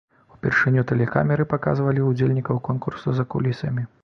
Упершыню тэлекамеры паказвалі ўдзельнікаў конкурсу за кулісамі.